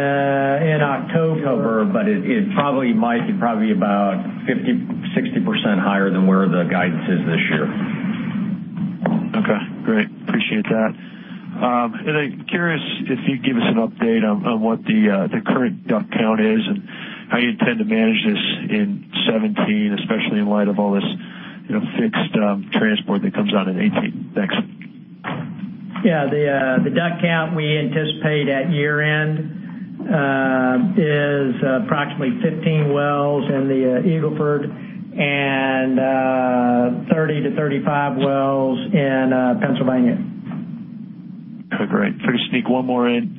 October, Mike, it'd probably be about 50%-60% higher than where the guidance is this year. Okay, great. Appreciate that. Curious if you'd give us an update on what the current DUC count is, and how you intend to manage this in 2017, especially in light of all this fixed transport that comes on in 2018. Thanks. Yeah. The DUC count we anticipate at year-end is approximately 15 wells in the Eagle Ford and 30-35 wells in Pennsylvania. Okay, great. If I could sneak one more in.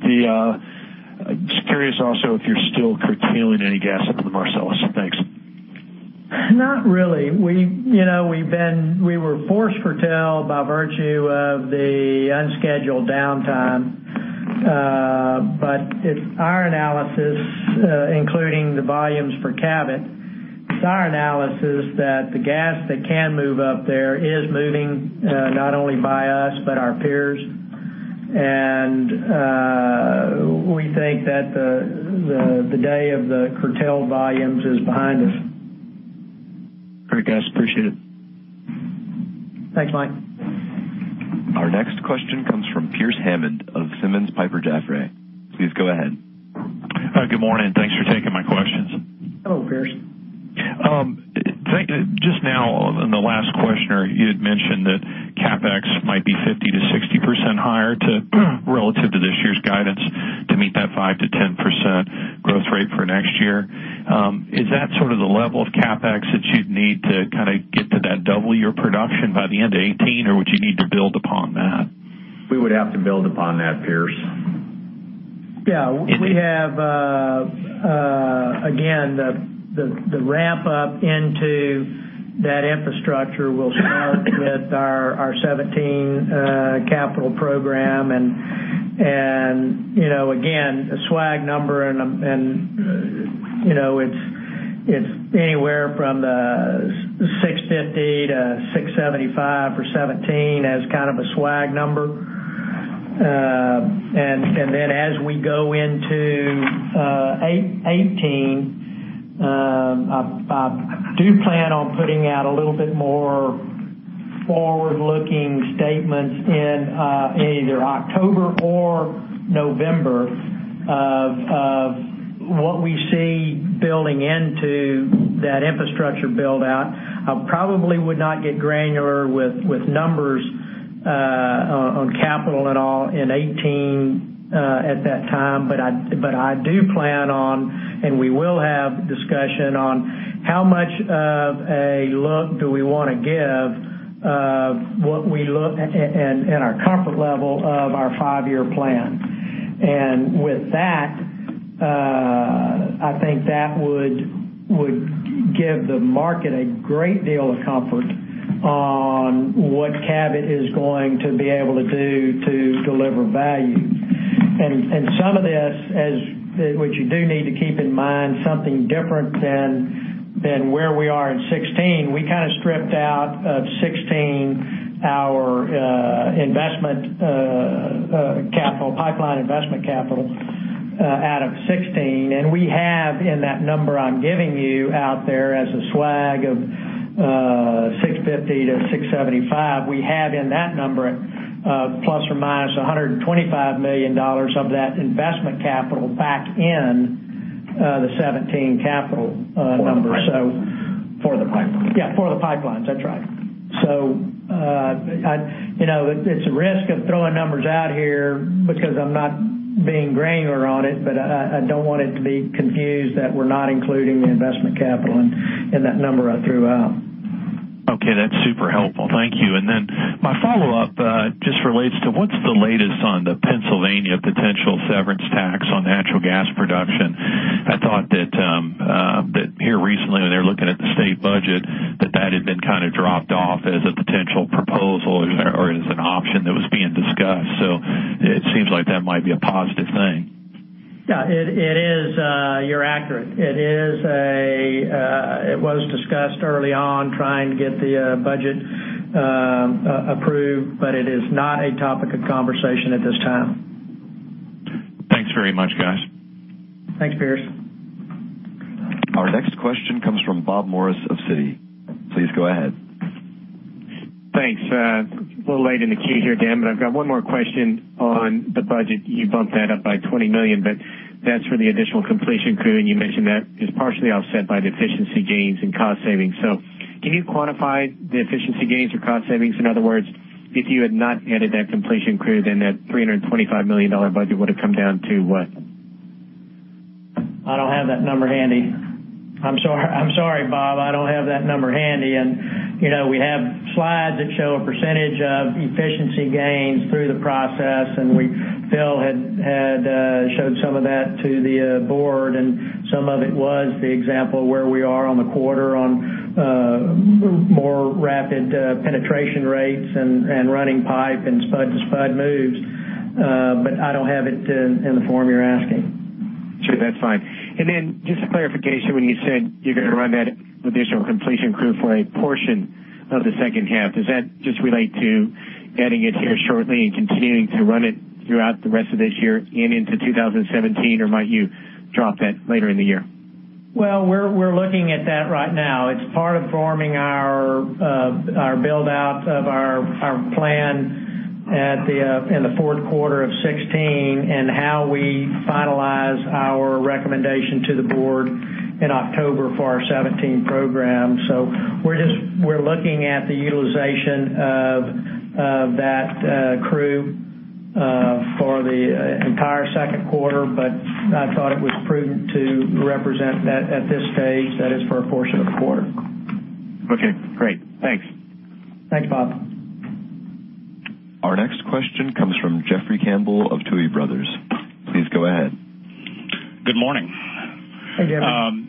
Just curious also if you're still curtailing any gas up in the Marcellus. Thanks. Not really. We were forced curtail by virtue of the unscheduled downtime. It's our analysis, including the volumes for Cabot. It's our analysis that the gas that can move up there is moving, not only by us, but our peers. We think that the day of the curtail volumes is behind us. Great, guys. Appreciate it. Thanks, Mike. Our next question comes from Pearce Hammond of Simmons Piper Jaffray. Please go ahead. Good morning. Thanks for taking my questions. Hello, Pearce. Just now in the last question, you had mentioned that CapEx might be 50%-60% higher relative to this year's guidance to meet that 5%-10% growth rate for next year. Is that sort of the level of CapEx that you'd need to get to that double your production by the end of 2018, or would you need to build upon that? We would have to build upon that, Pearce. Yeah. We have, again, the ramp up into that infrastructure will start with our 2017 capital program, and again, a swag number and it's anywhere from the $650-$675 for 2017 as kind of a swag number. Then as we go into 2018. I do plan on putting out a little bit more forward-looking statements in either October or November of what we see building into that infrastructure build-out. I probably would not get granular with numbers on capital at all in 2018 at that time, but I do plan on, and we will have discussion on how much of a look do we want to give of what we look and our comfort level of our five-year plan. With that, I think that would give the market a great deal of comfort on what Cabot is going to be able to do to deliver value. Some of this, what you do need to keep in mind, something different than where we are in 2016, we stripped out of 2016 our pipeline investment capital out of 2016. We have in that number I'm giving you out there as a swag of $650-$675, we have in that number, plus or minus $125 million of that investment capital back in the 2017 capital numbers. For the pipeline? Yeah, for the pipelines, that's right. It's a risk of throwing numbers out here because I'm not being granular on it, but I don't want it to be confused that we're not including the investment capital in that number I threw out. Okay. That's super helpful. Thank you. My follow-up just relates to what's the latest on the Pennsylvania potential severance tax on natural gas production? I thought that here recently, when they were looking at the state budget, that that had been dropped off as a potential proposal or as an option that was being discussed. It seems like that might be a positive thing. Yeah, you're accurate. It was discussed early on trying to get the budget approved, but it is not a topic of conversation at this time. Thanks very much, guys. Thanks, Pearce. Our next question comes from Bob Morris of Citi. Please go ahead. Thanks. A little late in the queue here, Dan, I've got one more question on the budget. You bumped that up by $20 million, that's for the additional completion crew, you mentioned that is partially offset by the efficiency gains and cost savings. Can you quantify the efficiency gains or cost savings? In other words, if you had not added that completion crew, then that $325 million budget would've come down to what? I don't have that number handy. I'm sorry, Bob. I don't have that number handy. We have slides that show a % of efficiency gains through the process, Phil had showed some of that to the board, some of it was the example of where we are on the quarter on more rapid penetration rates and running pipe and spud-to-spud moves. I don't have it in the form you're asking. Sure, that's fine. Just a clarification, when you said you're going to run that additional completion crew for a portion of the second half, does that just relate to adding it here shortly and continuing to run it throughout the rest of this year and into 2017? Or might you drop that later in the year? Well, we're looking at that right now. It's part of forming our build-out of our plan in the fourth quarter of 2016 and how we finalize our recommendation to the board in October for our 2017 program. We're looking at the utilization of that crew for the entire second quarter, but I thought it was prudent to represent that at this stage, that is for a portion of the quarter. Okay, great. Thanks. Thanks, Bob. Our next question comes from Jeffrey Campbell of Tuohy Brothers. Please go ahead. Good morning. Hey, Jeffrey.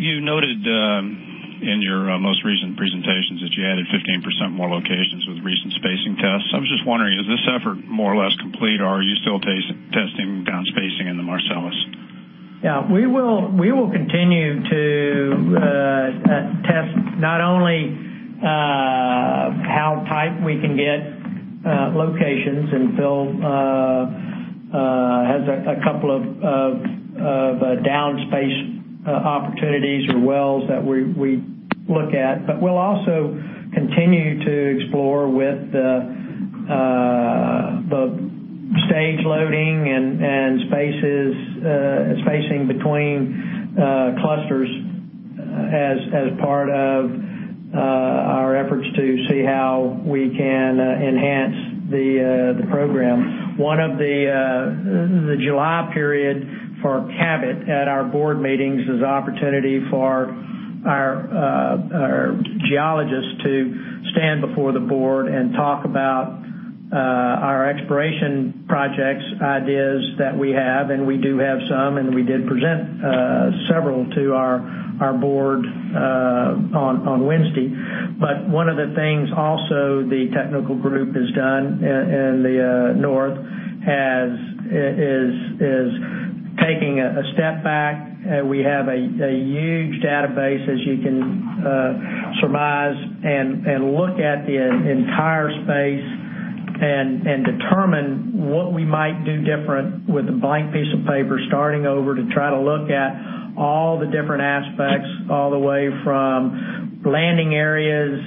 You noted in your most recent presentations that you added 15% more locations with recent spacing tests. I was just wondering, is this effort more or less complete, or are you still testing down spacing in the Marcellus? Yeah. We will continue to test not only how tight we can get locations, and Phil has a couple of down-space opportunities or wells that we look at. We'll also continue to explore with the stage loading and spacing between clusters as part of our efforts to see how we can enhance the program. The July period for Cabot at our board meetings is an opportunity for our geologists to stand before the board and talk about our exploration projects ideas that we have, and we do have some, and we did present several to our board on Wednesday. One of the things also the technical group has done in the North is taking a step back. We have a huge database, as you can surmise, and look at the entire space. Determine what we might do different with a blank piece of paper, starting over to try to look at all the different aspects, all the way from landing areas,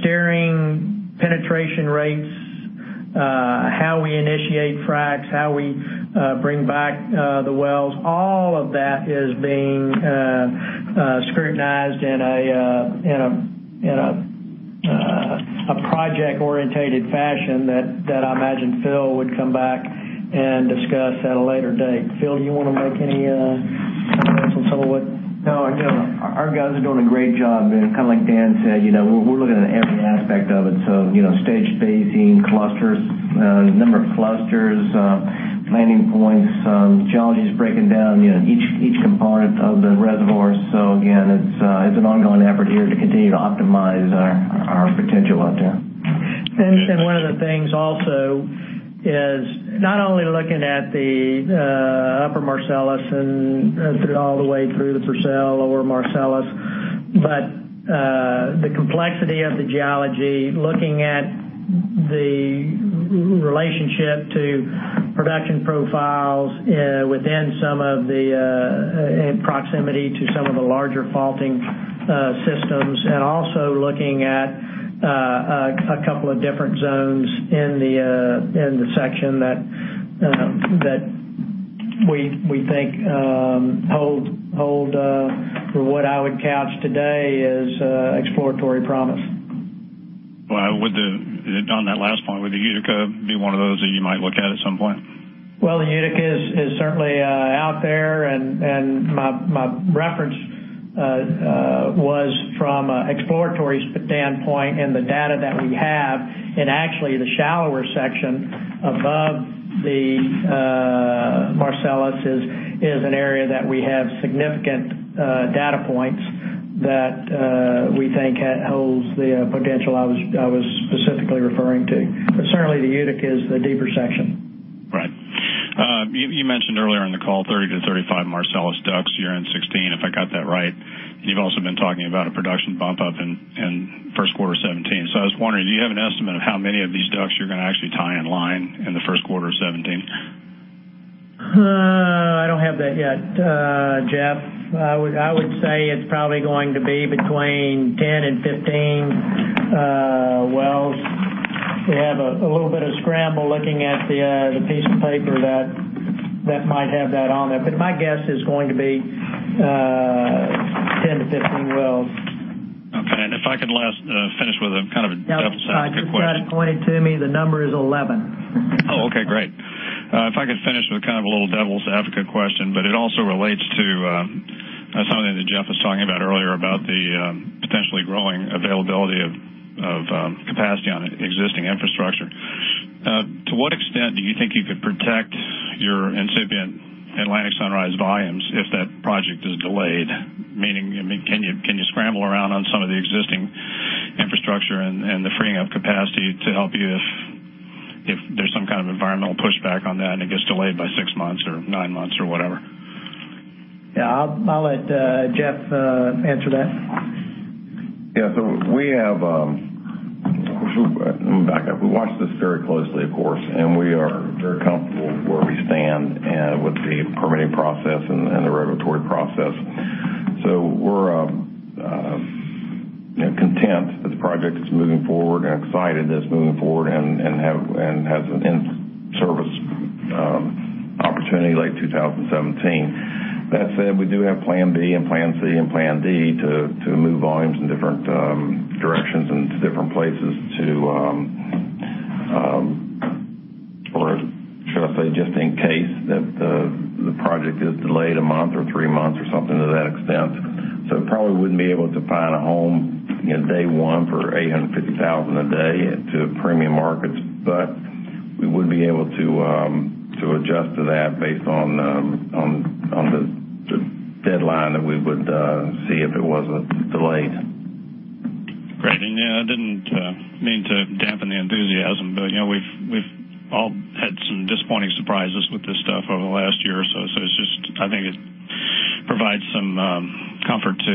steering, penetration rates, how we initiate fracs, how we bring back the wells. All of that is being scrutinized in a project-oriented fashion that I imagine Phil would come back and discuss at a later date. Phil, do you want to make any comments on some of what? No, I don't. Our guys are doing a great job. Like Dan said, we're looking at every aspect of it. Stage spacing, clusters, number of clusters, landing points, geology is breaking down, each component of the reservoir. Again, it's an ongoing effort here to continue to optimize our potential out there. One of the things also is not only looking at the Upper Marcellus and through all the way through the Purcell/Lower Marcellus, but the complexity of the geology, looking at the relationship to production profiles within some of the proximity to some of the larger faulting systems, and also looking at a couple of different zones in the section that we think hold what I would couch today as exploratory promise. On that last point, would the Utica be one of those that you might look at at some point? Well, the Utica is certainly out there, and my reference was from exploratory standpoint and the data that we have in actually the shallower section above the Marcellus is an area that we have significant data points that we think holds the potential I was specifically referring to. But certainly, the Utica is the deeper section. Right. You mentioned earlier in the call 30-35 Marcellus DUCs year-end 2016, if I got that right. You've also been talking about a production bump up in first quarter 2017. I was wondering, do you have an estimate of how many of these DUCs you're going to actually tie in line in the first quarter of 2017? I don't have that yet, Jeff. I would say it's probably going to be between 10 and 15 wells. We have a little bit of scramble looking at the piece of paper that might have that on there. My guess is going to be 10-15 wells. Okay. If I could last finish with a devil's advocate question. I just had it pointed to me. The number is 11. Oh, okay. Great. If I could finish with a little devil's advocate question, but it also relates to something that Jeff was talking about earlier about the potentially growing availability of capacity on existing infrastructure. To what extent do you think you could protect your incipient Atlantic Sunrise volumes if that project is delayed? Meaning, can you scramble around on some of the existing infrastructure and the freeing up capacity to help you if there's some kind of environmental pushback on that and it gets delayed by six months or nine months or whatever? Yeah, I'll let Jeff answer that. Let me back up. We watch this very closely, of course, and we are very comfortable where we stand and with the permitting process and the regulatory process. We're content that the project is moving forward and excited that it's moving forward and has an in-service opportunity late 2017. That said, we do have plan B and plan C and plan D to move volumes in different directions and to different places just in case that the project is delayed a month or three months or something to that extent. Probably wouldn't be able to find a home in day one for 850,000 a day to premium markets, but we would be able to adjust to that based on the deadline that we would see if it wasn't delayed. Great. I didn't mean to dampen the enthusiasm, but we've all had some disappointing surprises with this stuff over the last year or so. I think it provides some comfort to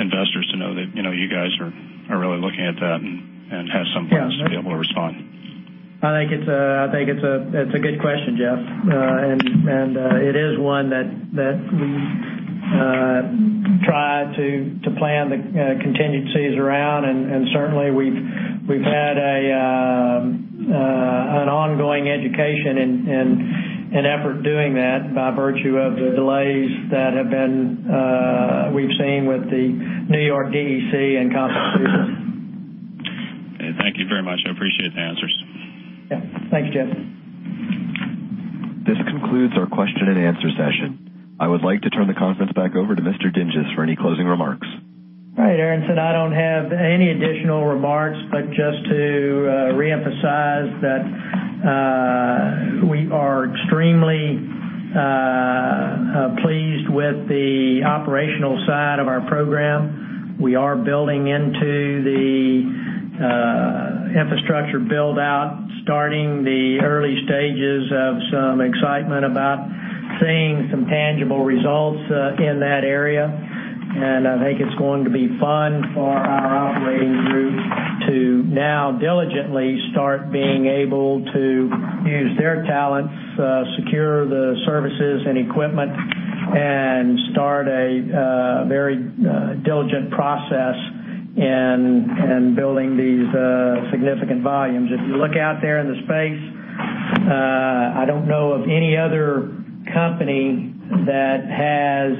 investors to know that you guys are really looking at that and have some plans to be able to respond. I think it's a good question, Jeff. It is one that we try to plan the contingencies around, and certainly, we've had an ongoing education and effort doing that by virtue of the delays that we've seen with the New York DEC and Constitution. Thank you very much. I appreciate the answers. Yeah. Thanks, Jeff. This concludes our question and answer session. I would like to turn the conference back over to Mr. Dinges for any closing remarks. All right, Erickson, I don't have any additional remarks, but just to reemphasize that we are extremely pleased with the operational side of our program. We are building into the infrastructure build-out, starting the early stages of some excitement about seeing some tangible results in that area. I think it's going to be fun for our operating groups to now diligently start being able to use their talents, secure the services and equipment, and start a very diligent process in building these significant volumes. If you look out there in the space, I don't know of any other company that has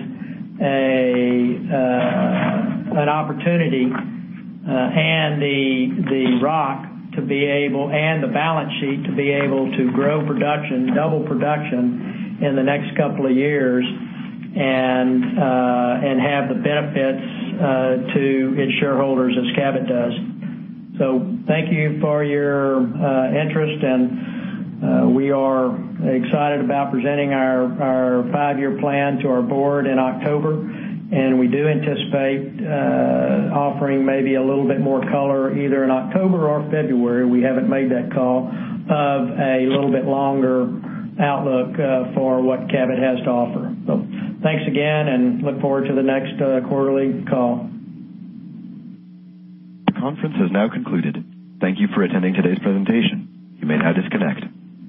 an opportunity and the rock and the balance sheet to be able to grow production, double production in the next couple of years and have the benefits to its shareholders as Cabot does. Thank you for your interest, we are excited about presenting our five-year plan to our board in October, we do anticipate offering maybe a little bit more color either in October or February. We haven't made that call of a little bit longer outlook for what Cabot has to offer. Thanks again, and look forward to the next quarterly call. The conference has now concluded. Thank you for attending today's presentation. You may now disconnect.